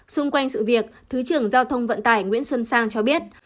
xung quanh sự việc thứ trưởng giao thông vận tải nguyễn xuân sang cho biết